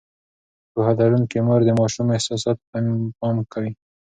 پوهه لرونکې مور د ماشوم احساساتو ته پام کوي.